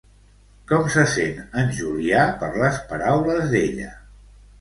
Com se sent en Julià per les paraules d'ella?